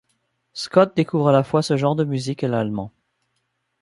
Scott découvre à la fois ce genre de musique et l'allemand.